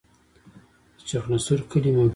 د چخانسور کلی موقعیت